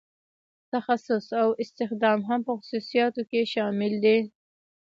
تخصیص او استخدام هم په خصوصیاتو کې شامل دي.